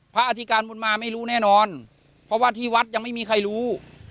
อธิการบุญมาไม่รู้แน่นอนเพราะว่าที่วัดยังไม่มีใครรู้